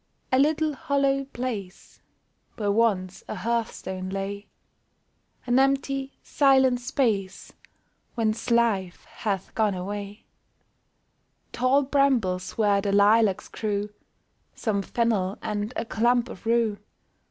A little hollow place Where once a hearthstone lay ; An empty, silent space Whence life hath gone away ; Tall brambles where the lilacs grew, Some fennel, and a clump of rue.